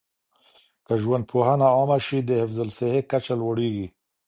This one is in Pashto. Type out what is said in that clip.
که ژوندپوهنه عامه شي، د حفظ الصحې کچه لوړيږي.